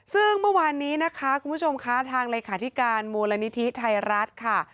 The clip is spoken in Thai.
ซึ่งเมื่อวานนี้นะคะคุณผู้ชมคะทางเลขาธิการมูลนิธิไทยรัฐค่ะ